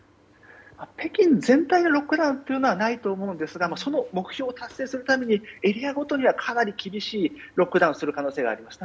北京全体でロックダウンというのはないと思うんですが目標を達成するためにエリアごとにはかなり厳しいロックダウンをする可能性があります。